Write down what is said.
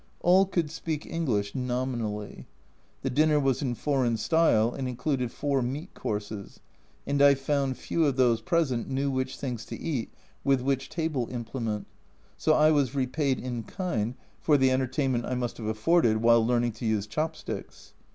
All could speak English nominally. The dinner was in foreign style and included four meat courses, and I found few of those present knew which things to eat with which table implement, so I was repaid in kind for the entertain ment I must have afforded while learning to use chop sticks.